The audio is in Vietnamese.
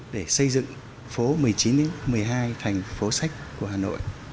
để xây dựng phố một mươi chín một mươi hai thành phố sách của hà nội